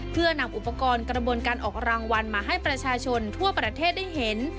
เพื่อนำอุปกรณ์กระบวนการออกรางวัลมาให้ประชาชนทั่วประเทศได้เห็น